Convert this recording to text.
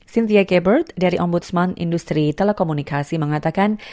cynthia gabert dari ombudsman industri telekomunikasi mengatakan